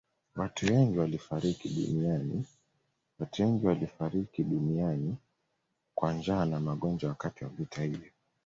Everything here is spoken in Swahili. Watu wengi walifariki dunia kwa njaa na magonjwa wakati wa vita hivyo